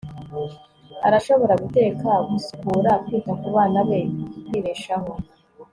arashobora guteka, gusukura, kwita kubana be, kwibeshaho